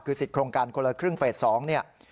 คือสิทธิโครงการคนละครึ่งเฟส๒เนี่ย